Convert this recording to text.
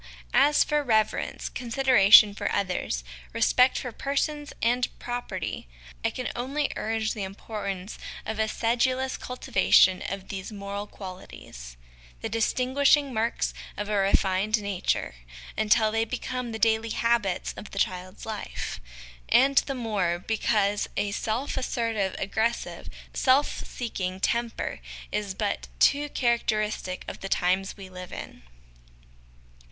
As for reverence, consideration for others, respect for persons and property, I can only urge the importance of a sedulous cultivation of these moral qualities the distinguishing marks of a refined nature until they become the daily habits of the child's life ; and the more, because a self assertive, aggressive, self seeking temper is but too charac teristic of the times we live in.